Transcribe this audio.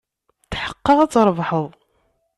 Tḥeqqeɣ ad trebḥed.